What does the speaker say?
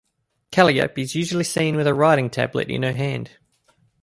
Calliope is usually seen with a writing tablet in her hand.